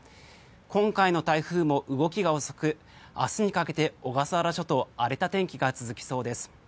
今回の台風も動きが遅く明日にかけて小笠原諸島、荒れた天気が続きそうです。